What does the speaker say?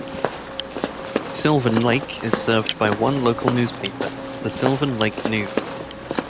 Sylvan Lake is served by one local newspaper, "The Sylvan Lake News".